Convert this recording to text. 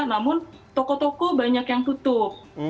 namun toko toko banyak yang tutup